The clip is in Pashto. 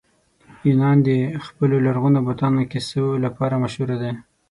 یونان د خپلو لرغونو بتانو کیسو لپاره مشهوره دی.